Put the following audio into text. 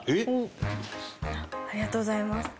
芦田：ありがとうございます。